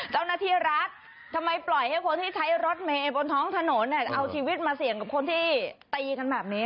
ซึ่งพี่สุฆาตรรัสทำไมปล่อยให้คนที่ใช้รถเมตรบนท้องถนนเอาชีวิตมาเสี่ยงกับคนที่ตีกันแบบนี้